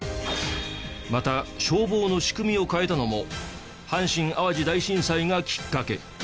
また消防の仕組みを変えたのも阪神・淡路大震災がきっかけ。